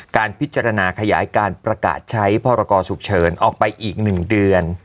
การพิจารณาขยายการประกาศใช้พรศออกไปอีก๑เดือน